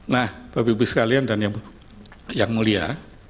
nah bapak ibu sekalian dan yang mulia